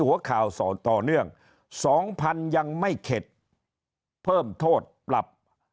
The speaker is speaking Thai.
หัวข่าวสอนต่อเนื่อง๒๐๐๐ยังไม่เข็ดเพิ่มโทษปรับ